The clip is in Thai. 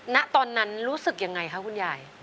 ณตอนนั้นรู้สึกยังไงคะคุณยาย